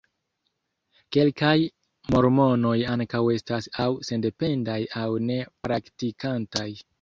Kelkaj mormonoj ankaŭ estas aŭ sendependaj aŭ ne-praktikantaj.